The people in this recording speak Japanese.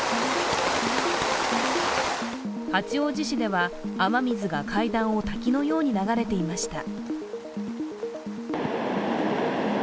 八王子市では雨水が階段を滝のように流れていました。